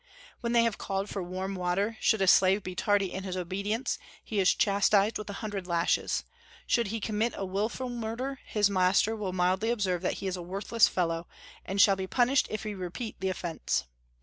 When they have called for warm water, should a slave be tardy in his obedience, he is chastised with a hundred lashes; should he commit a wilful murder, his master will mildly observe that he is a worthless fellow, and shall be punished if he repeat the offence.